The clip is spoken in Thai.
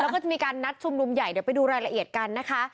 แล้วก็จะมีการนัดชุมนุมใหญ่เดี๋ยวไปดูรายละเอียดกันนะคะ